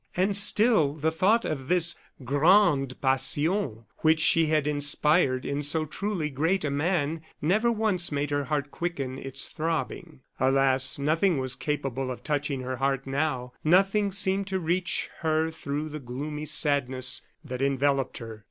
And still the thought of this grande passion which she had inspired in so truly great a man never once made her heart quicken its throbbing. Alas! nothing was capable of touching her heart now; nothing seemed to reach her through the gloomy sadness that enveloped her.